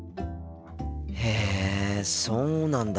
へえそうなんだ。